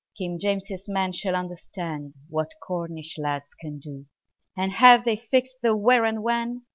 King James's men shall understand What Cornish lads can do! And have they fixed the where and when?